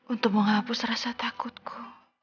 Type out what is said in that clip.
untuk menghapus rasa takutku